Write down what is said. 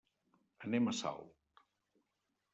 Anem a Salt.